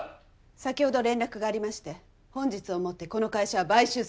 先ほど連絡がありまして本日をもってこの会社は買収されるそうです。